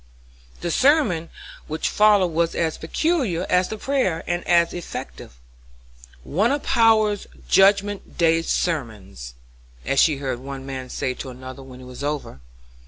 The sermon which followed was as peculiar as the prayer, and as effective. "One of Power's judgment day sermons," as she heard one man say to another, when it was over.